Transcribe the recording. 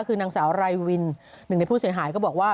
คือนางสาวไรวินหนึ่งในผู้เสียหายก็บอกว่า